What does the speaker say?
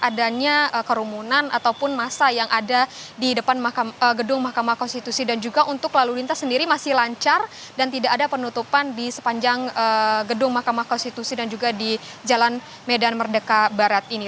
adanya kerumunan ataupun masa yang ada di depan gedung mahkamah konstitusi dan juga untuk lalu lintas sendiri masih lancar dan tidak ada penutupan di sepanjang gedung mahkamah konstitusi dan juga di jalan medan merdeka barat ini